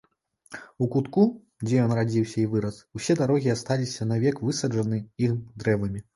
У кутку, дзе ён радзіўся і вырас, усе дарогі асталіся навек высаджаны ім дрэвамі.